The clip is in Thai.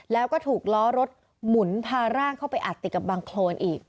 แล้วก็ถูกล้อรถหมุนพาร่างเข้าไปอัดติดกับบังโครนอีก